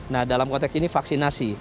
nah dalam konteks ini vaksinasi